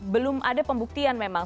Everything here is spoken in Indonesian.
belum ada pembuktian memang